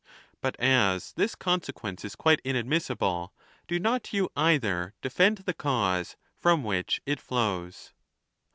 But as this consequence is quite inadmissible, do not you either de fend the cause from which it flows.